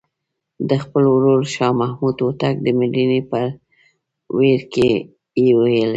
د خپل ورور شاه محمود هوتک د مړینې په ویر کې یې ویلي.